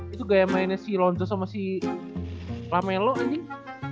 itu gaya mainnya si lonjo sama si lamelo anjing